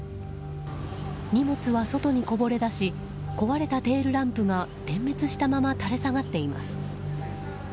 荷物は外にこぼれ出し壊れたテールランプが点滅したまま垂れ下がっています。